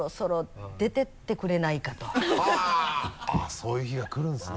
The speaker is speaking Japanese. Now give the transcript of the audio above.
そういう日が来るんですね。